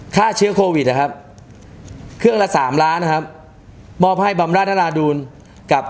ฆ่าเชื้อโควิดนะครับเครื่องละสามล้านนะครับมอบให้บำราชนราดูลกับ